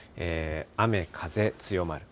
雨、風強まる。